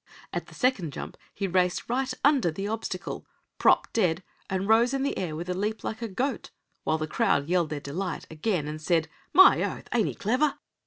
At the second jump he raced right under the obstacle, propped dead, and rose in the air with a leap like a goat, while the crowd yelled their delight again, and said: "My oath! ain't he clever?"